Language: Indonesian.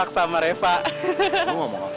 remember reva langsung rindu